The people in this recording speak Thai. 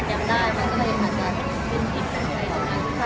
กับพี่เป้